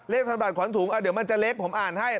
ธันบัตรขวัญถุงเดี๋ยวมันจะเล็กผมอ่านให้